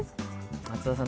松田さん